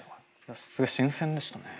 すごい新鮮でしたね。